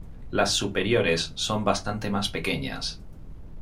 Las superiores son bastante más pequeñas.